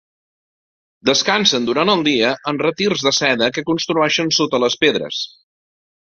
Descansen durant el dia en retirs de seda que construeixen sota les pedres.